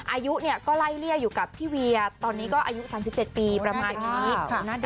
อายุเนี่ยก็ไล่เลี่ยอยู่กับพี่เวียตอนนี้ก็อายุ๓๗ปีประมาณนี้